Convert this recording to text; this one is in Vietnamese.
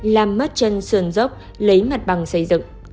làm mất chân sườn dốc lấy mặt bằng xây dựng